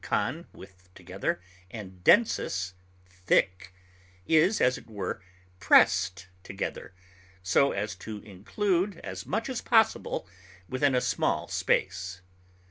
_con _, with, together, and densus, thick) is, as it were, pressed together, so as to include as much as possible within a small space.